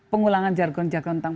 pengulangan jargon jargon tentang